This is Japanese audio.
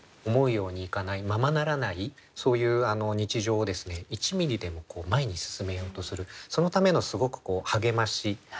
思うようにいかないままならないそういう日常を１ミリでも前に進めようとするそのためのすごく励まし。